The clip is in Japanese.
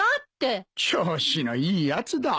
調子のいいやつだ。